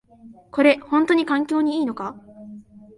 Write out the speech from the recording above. これ、ほんとに環境にいいのか？